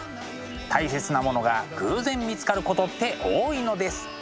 大切なものが偶然見つかることって多いのです。